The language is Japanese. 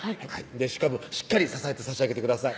しかもしっかり支えて差し上げてください